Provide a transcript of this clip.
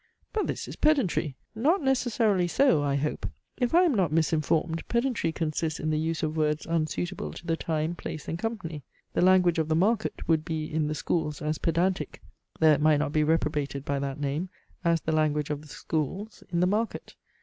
"But this is pedantry!" Not necessarily so, I hope. If I am not misinformed, pedantry consists in the use of words unsuitable to the time, place, and company. The language of the market would be in the schools as pedantic, though it might not be reprobated by that name, as the language of the schools in the market.